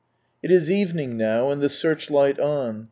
" It is evening now, and the search light on.